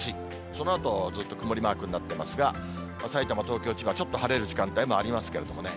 そのあとずっと曇りマークになってますが、さいたま、東京、千葉、ちょっと晴れる時間帯もありますけれどもね。